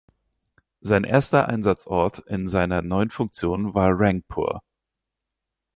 Sein erster Einsatzort in seiner neuen Funktion war Rangpur.